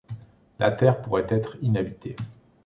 La terre pourrait être inhabitée.